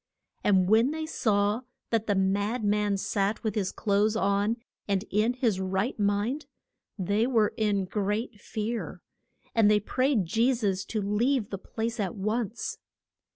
And when they saw that the mad man sat with his clothes on and in his right mind, they were in great fear. And they prayed Je sus to leave the place at once.